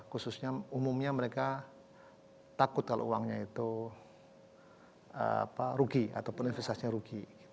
khususnya umumnya mereka takut kalau uangnya itu rugi ataupun investasinya rugi